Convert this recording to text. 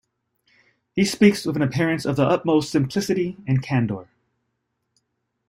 He speaks with an appearance of the utmost simplicity and candour.